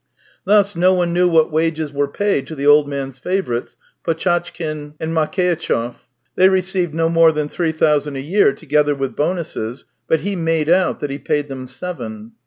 Thus, no one knew what wages were paid to the old man's favourites, Potchatkin and Makeitchev. They received no more than three thousand a year, together with bonuses, but he made out that he paid them seven.